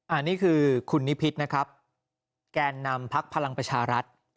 อันนี้คือคุณนิพิษนะครับแกนนำพักพลังประชารัฐ